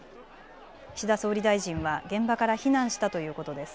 岸田総理大臣は現場から避難したということです。